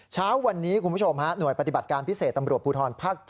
เช้าวันนี้คุณผู้ชมฮะหน่วยปฏิบัติการพิเศษตำรวจภูทรภาค๗